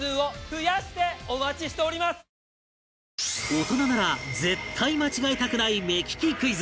大人なら絶対間違えたくない目利きクイズ